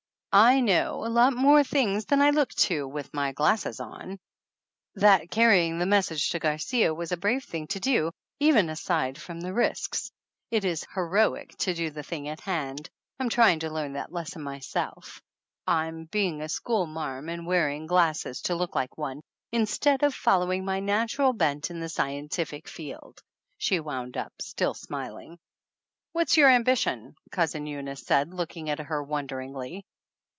"I know a lot more things than I look to with my glasses on ! That carrying the message to Garcia was a brave thing to do, even aside from the risks. It is heroic to do the thing at hand. I'm trying to learn that lesson myself. I'm being a schoolmarm and wearing glasses to 206 THE ANNALS OF ANN look like one, instead of following my natural bent in the scientific field," she wound up, still smiling. "What's your ambition ?" Cousin Eunice said, looking at her wonderingly.